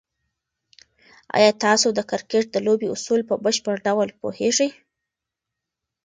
آیا تاسو د کرکټ د لوبې اصول په بشپړ ډول پوهېږئ؟